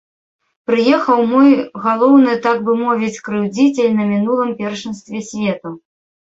Прыехаў мой галоўны так бы мовіць крыўдзіцель на мінулым першынстве свету.